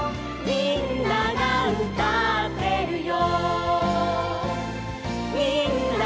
「みんながうたってるよ」